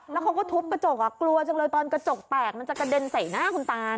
แล้วเขาก็ทุบกระจกกลัวจังเลยตอนกระจกแตกมันจะกระเด็นใส่หน้าคุณตา